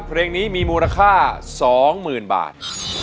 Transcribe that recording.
เพลงนี้มีมูลค่า๒๐๐๐บาท